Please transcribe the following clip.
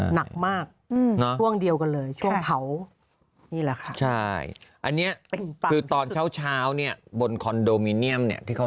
หนักมากช่วงเดียวกันเลยช่วงเผานี่แหละค่ะ